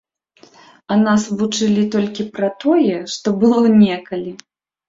А нас вучылі толькі пра тое, што было некалі.